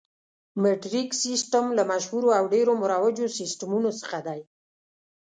مټریک سیسټم له مشهورو او ډېرو مروجو سیسټمونو څخه دی.